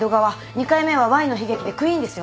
２回目は『Ｙの悲劇』でＱｕｅｅｎですよ。